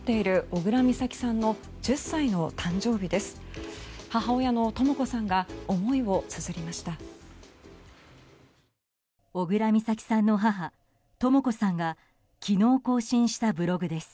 小倉美咲さんの母とも子さんが昨日更新したブログです。